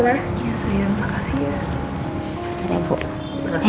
iya sayang makasih ya